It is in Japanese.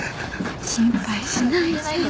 心配しないで。